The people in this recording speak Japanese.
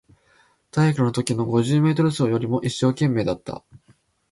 体育のときの五十メートル走よりも一生懸命だった